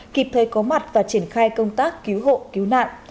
kịp thời có mặt và triển khai công tác cứu hộ cứu nạn